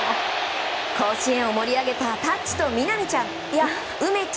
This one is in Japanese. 甲子園を盛り上げた「タッチ」と南ちゃん。